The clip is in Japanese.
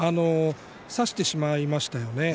差してしまいましたよね。